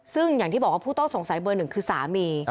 ซึ่งอย่างที่บอกว่าผู้ต้องสงสัยเบอร์หนึ่งคือสามี